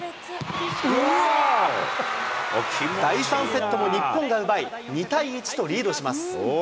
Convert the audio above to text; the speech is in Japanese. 第３セットも日本が奪い、２対１とリードします。